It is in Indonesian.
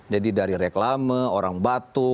jadi dari reklama orang batuk